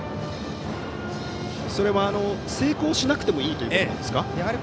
それは成功しなくてもいいということなんですか？